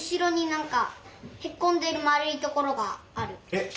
えっ？